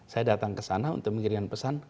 saya datang ke sana untuk mengirim pesan